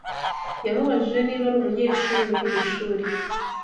Yamubajije niba ari umunyeshuri muri iri shuri.